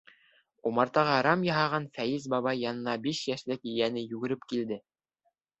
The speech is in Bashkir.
Умартаға рам яһаған Фаяз бабай янына биш йәшлек ейәне йүгереп килде.